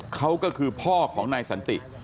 เขาก็คือพ่อของนายสันติ